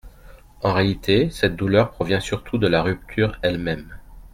En réalité, cette douleur provient surtout de la rupture elle-même.